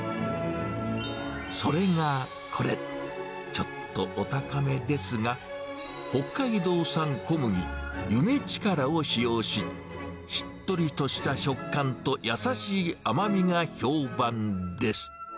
それがこれ、ちょっとお高めですが、北海道産小麦、ゆめちからを使用し、しっとりとした食感と優しい甘みが評判です。